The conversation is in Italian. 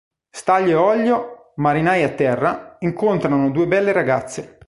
Stanlio e Ollio, marinai a terra, incontrano due belle ragazze.